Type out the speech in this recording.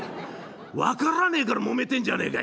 分からねえからもめてんじゃねえか」。